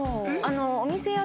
お店やっ